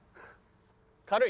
軽い！